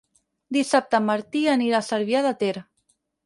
Dissabte en Martí anirà a Cervià de Ter.